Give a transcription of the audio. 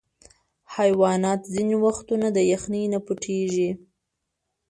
حیوانات ځینې وختونه د یخني نه پټیږي.